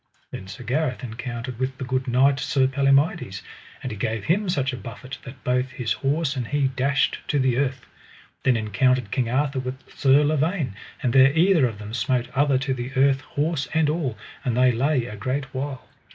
Then Sir Gareth encountered with the good knight Sir Palomides, and he gave him such a buffet that both his horse and he dashed to the earth. Then encountered King Arthur with Sir Lavaine, and there either of them smote other to the earth, horse and all, that they lay a great while.